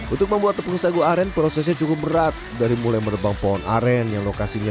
untuk membuat tepung sagu aren prosesnya cukup berat dari mulai merebang pohon aren yang lokasinya